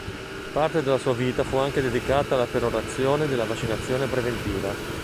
Parte della sua vita fu anche dedicata alla perorazione della vaccinazione preventiva.